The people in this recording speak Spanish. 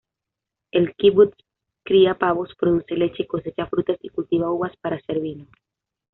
El kibutz cría pavos, produce leche, cosecha frutas, y cultiva uvas para hacer vino.